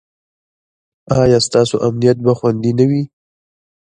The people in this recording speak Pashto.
ایا ستاسو امنیت به خوندي نه وي؟